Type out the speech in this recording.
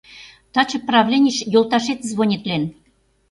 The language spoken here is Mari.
Таче правленийыш йолташет звонитлен.